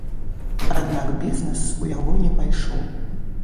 Аднак бізнес у яго не пайшоў.